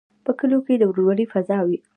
په کلیو کې د ورورولۍ فضا وي.